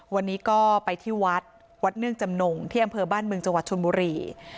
วันนี้ก็ไปที่วัดวัดเนื่องจำนงที่อำเภอบ้านเมืองจังหวัดชนบุรี